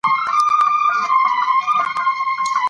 ازادي راډیو د د بیان آزادي په اړه د پوهانو څېړنې تشریح کړې.